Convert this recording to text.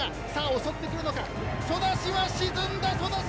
襲ってくるのかソダシは沈んだ。